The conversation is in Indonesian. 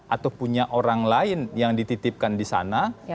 atau punya orang lain yang dititipkan di sana